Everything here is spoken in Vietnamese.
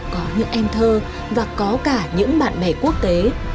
có những em thơ và có cả những bạn bè quốc tế